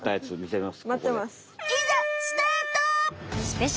いざスタート！